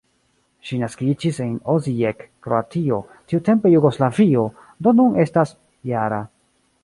Ŝi naskiĝis en Osijek, Kroatio, tiutempe Jugoslavio, do nun estas -jara.